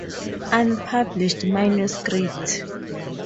Unpublished manuscript.